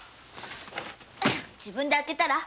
自分で開けたら。